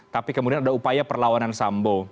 tapi kemudian ada upaya perlawanan sambo